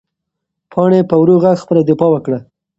پاڼې په ورو غږ خپله دفاع وکړه.